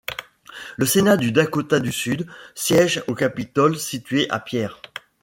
Le sénat du Dakota du Sud siège au Capitole situé à Pierre.